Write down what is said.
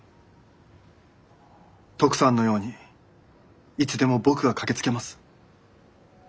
トクさんのようにいつでも僕が駆けつけます。